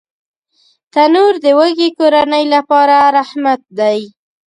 تنور د وږې کورنۍ لپاره رحمت دی